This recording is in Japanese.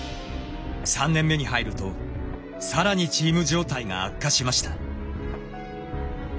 ３年目に入るとさらにチーム状態が悪化しました。